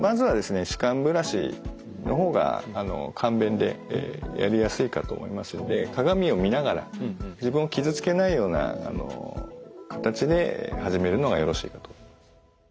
歯間ブラシの方が簡便でやりやすいかと思いますので鏡を見ながら自分を傷つけないような形で始めるのがよろしいかと。